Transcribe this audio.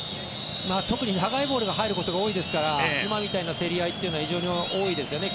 特に長いボールが入ることが多いですから今みたいな競り合いは非常に多いですよね